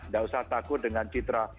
gak usah takut dengan citra